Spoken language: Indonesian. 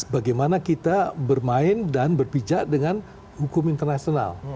bagaimana kita bermain dan berpijak dengan hukum internasional